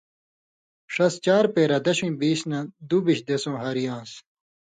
ݜس چارچاپېرہ دشُوئ بیش نہ دُوبِیۡش دِېسؤں ہاریۡ آن٘س۔